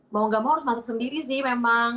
mau gak mau harus masak sendiri sih memang